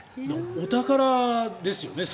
お宝ですよね。